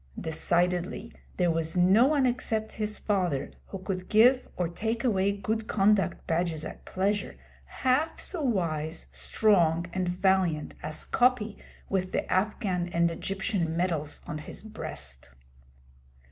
Decidedly, there was no one except his father, who could give or take away good conduct badges at pleasure, half so wise, strong, and valiant as Coppy with the Afghan and Egyptian medals on his breast.